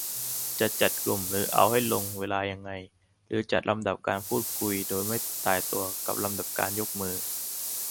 จะจัดกลุ่ม หรือเอาให้ลงเวลายังไง หรือจัดลำดับการพูดคุยโดยไม่ตายตัวกับลำดับการยกมือ